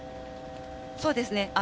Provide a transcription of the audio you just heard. そうですね。